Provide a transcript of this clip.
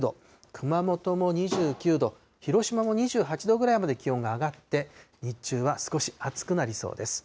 熊本も２９度、広島も２８度ぐらいまで気温が上がって、日中は少し暑くなりそうです。